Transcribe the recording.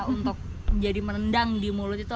untuk jadi menendang di mulut itu